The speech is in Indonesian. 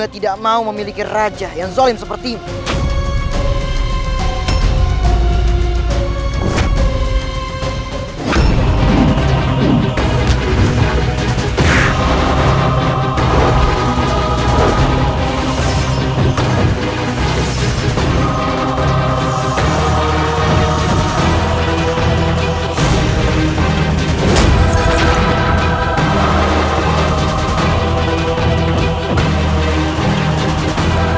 saya tidak mau memiliki raja yang zolim seperti ini